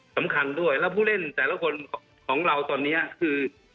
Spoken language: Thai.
สำคัญด้วยแล้วผู้เล่นแต่ละคนของเราตอนนี้คือ